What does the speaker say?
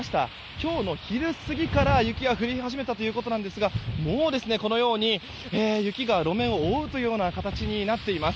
今日の昼過ぎから雪が降り始めたということなんですがもう、このように雪が路面を覆うというような形になっています。